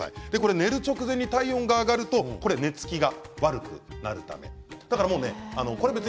寝る直前に体温が上がると寝つきが悪くなってしまうからです。